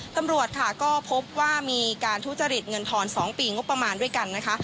ตำรวจค่ะก็พบว่ามีการทุจริตเงินทอน๒ปีงบประมาณด้วยกันนะคะ